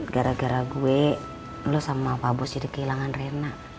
gara gara gue lu sama pak bos jadi kehilangan rena